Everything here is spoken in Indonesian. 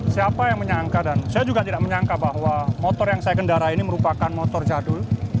siapa yang menyangka dan saya juga tidak menyangka bahwa motor yang saya kendara ini merupakan motor jadul